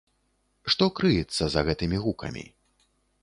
Што крыецца за гэтымі гукамі?